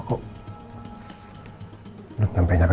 kalau seperti kakak